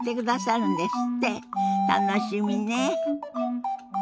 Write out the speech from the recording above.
楽しみね。